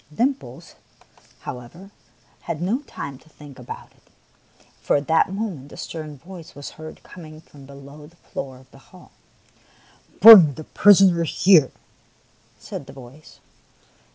Dimples, how THE PALACE ON THE FLOOR ^35 ever, had no time to think about it, for at that moment a stern voice was heard coming from below the floor of the hall. " Bring the prisoner here !" said the voice.